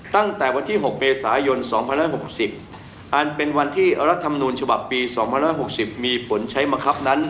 ตั้งแต่วันที่๖เมษายน๒๑๖๐อันเป็นวันที่รัฐธรรมนูญฉบับปี๒๖๐มีผลใช้มะครับนั้น